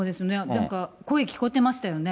なんか声聞こえてましたよね。